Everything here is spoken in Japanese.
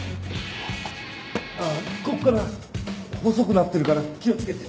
ああここから細くなってるから気をつけて。